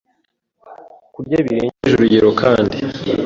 Kurya birengeje urugero kandi,